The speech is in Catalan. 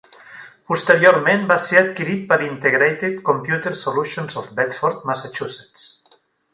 Posteriorment va ser adquirit per Integrated Computer Solutions of Bedford, Massachusetts.